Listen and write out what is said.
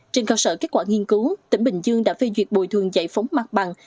trên cơ sở kết quả nghiên cứu tỉnh bình dương đã phê duyệt bồi thường giải phóng mặt bằng